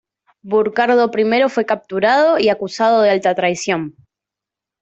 Burcardo I fue capturado y acusado de alta traición.